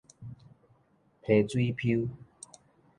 批水 phiu